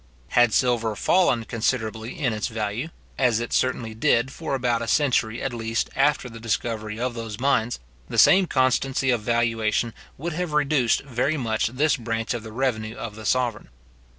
Had silver fallen considerably in its value, as it certainly did for about a century at least after the discovery of those mines, the same constancy of valuation would have reduced very much this branch of the revenue of the sovereign.